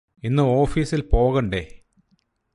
ഇന്ന് ഓഫീസിൽ പോകണ്ടേ?